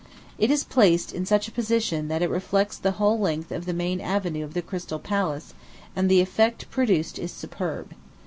It is placed in such a position that it reflects the whole length of the main avenue of the Crystal Palace, and the effect produced is superb.